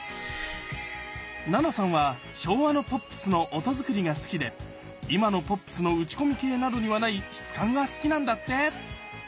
ナナさんは昭和のポップスの音作りが好きで今のポップスの打ち込み系などにはない質感が好きなんだって。